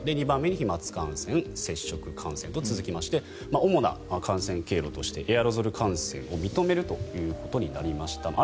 ２番目に飛まつ感染３番目に接触感染と続きまして主な感染経路についてエアロゾル感染を認めるということになりました。